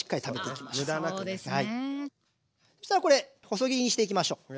そしたらこれ細切りにしていきましょう。